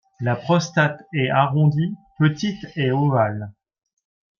La prostate est arrondie, petite et ovale.